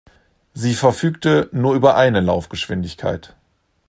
Sie verfügte nur über eine Laufgeschwindigkeit.